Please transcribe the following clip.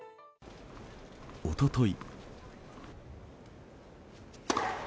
おととい。